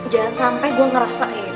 jangan sampai gue ngerasa kayak gitu